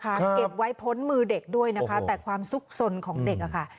เก็บไว้พ้นมือเด็กด้วยนะคะแต่ความสุขสนของเด็กค่ะ